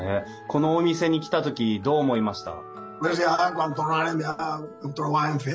このお店に来た時どう思いました？